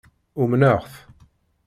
Umneɣ-t.